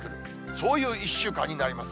そういう１週間になります。